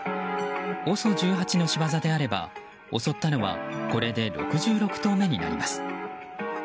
ＯＳＯ１８の仕業であれば襲ったのはこれで６６頭目になります。